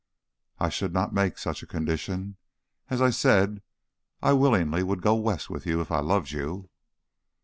"I should not make such a condition. As I said, I willingly would go West with you if I loved you."